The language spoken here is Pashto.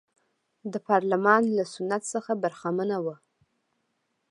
د پارلمان له سنت څخه برخمنه وه.